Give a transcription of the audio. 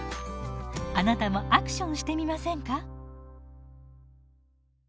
あなたもアクションしてみませんか？